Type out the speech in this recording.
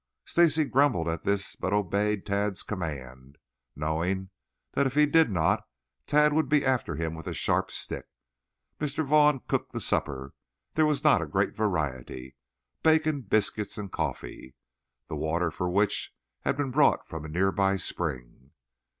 Stacy grumbled at this, but obeyed Tad's command, knowing that if he did not Tad would be after him with a sharp stick. Mr. Vaughn cooked the supper. There was not a great variety bacon, biscuit and coffee, the water for which had been brought from a nearby spring.